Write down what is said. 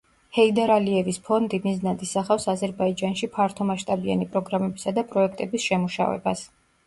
ჰეიდარ ალიევის ფონდი მიზნად ისახავს აზერბაიჯანში ფართომასშტაბიანი პროგრამებისა და პროექტების შემუშავებას.